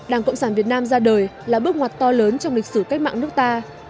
đảng cộng sản việt nam ra đời là bước ngoặt to lớn trong lịch sử cách mạng nước ta